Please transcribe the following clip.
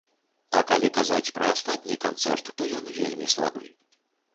А калі казаць пра астатні кантэнт, то ён вельмі слабы.